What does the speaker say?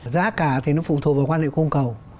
giá cả thì nó phụ thuộc vào quan liệu cung cầu